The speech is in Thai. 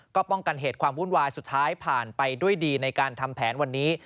ก็ป้องกันเหตุความวุ่นวายสุดท้ายผ่านไปด้วยดีในการทำแผนวันนี้